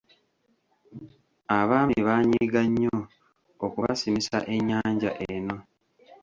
Abaami baanyiiga nnyo okubasimisa ennyanja eno.